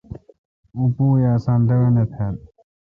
اوں پوُ ے اساں لوَنے تھال۔